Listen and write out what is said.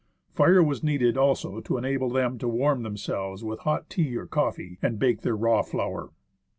Fire was needed also to enable them to warm themselves with hot tea or coffee and bake their raw flour.